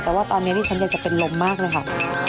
แต่ว่าตอนนี้ที่ฉันอยากจะเป็นลมมากเลยค่ะ